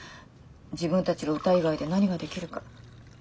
自分たちが歌以外で何ができるか。